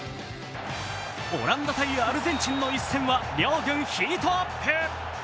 オランダ×アルゼンチンの一戦は両軍ヒートアップ。